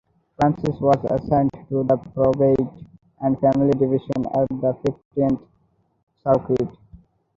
Francis was assigned to the probate and family division at the Fifteenth Circuit.